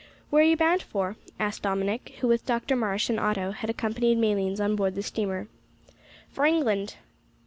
"Where are you bound for?" asked Dominick, who with Dr Marsh and Otto had accompanied Malines on board the steamer. "For England."